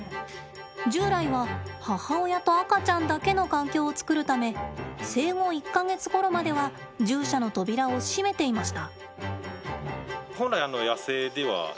従来は母親と赤ちゃんだけの環境を作るため生後１か月ごろまでは獣舎の扉を閉めていました。